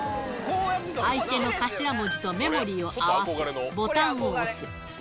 相手の頭文字とメモリを合わせ、ボタンを押す。